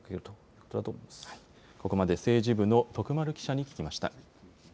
ここまで政治部の徳丸記者に聞きました。